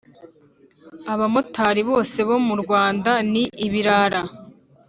Abamotari bose bo mu Rwanda ni ibirara